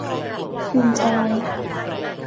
ซีออยล์